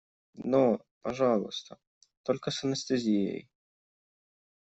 Но, пожалуйста, только с анестезией.